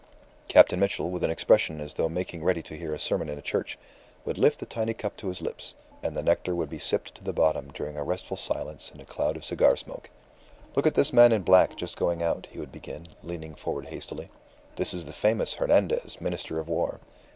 Captain Mitchell, with an expression as though making ready to hear a sermon in a church, would lift the tiny cup to his lips. And the nectar would be sipped to the bottom during a restful silence in a cloud of cigar smoke. "Look at this man in black just going out," he would begin, leaning forward hastily. "This is the famous Hernandez, Minister of War.